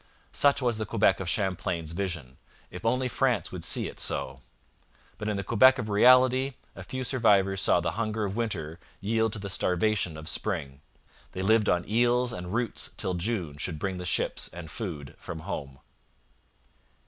Such was the Quebec of Champlain's vision if only France would see it so! But in the Quebec of reality a few survivors saw the hunger of winter yield to the starvation of spring. They lived on eels and roots till June should bring the ships and food from home.